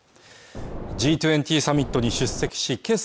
Ｇ２０サミットに出席しけさ